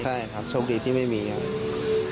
ใช่ครับโชคดีที่ไม่มีอย่างนั้น